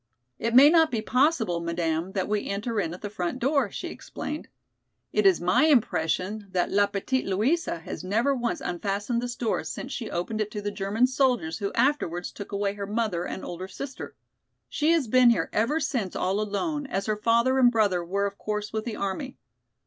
"It may not be possible, madame, that we enter in at the front door," she explained. "It is my impression that la petite Louisa has never once unfastened this door since she opened it to the German soldiers who afterwards took away her mother and older sister. She has been here ever since all alone, as her father and brother were of course with the army.